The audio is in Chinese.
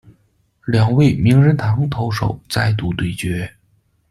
两位名人堂投手再度对决。